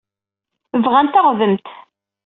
Bɣan taɣdemt.